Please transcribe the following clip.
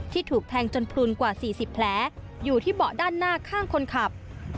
ถูกแทงจนพลุนกว่า๔๐แผลอยู่ที่เบาะด้านหน้าข้างคนขับ